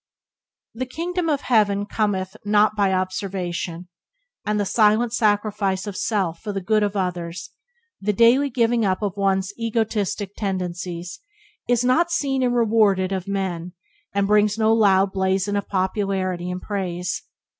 "The kingdom of heaven cometh not by observation," and the silent sacrifice of self for the good of others, the daily giving up of one's egotistic tendencies, is not seen and rewarded of men, and brings no loud blazon of popularity and praise.